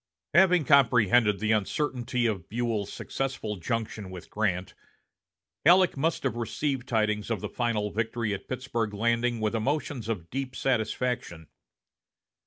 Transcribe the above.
Having comprehended the uncertainty of Buell's successful junction with Grant, Halleck must have received tidings of the final victory at Pittsburg Landing with emotions of deep satisfaction.